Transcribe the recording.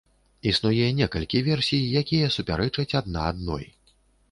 Існуе некалькі версій, якія супярэчаць адна адной.